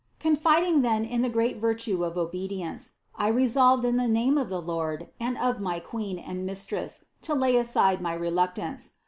13. Confiding then in the great virtue of obedience, I resolved in the name of the Lord and of my Queen and Mistress to lay aside my reluctance.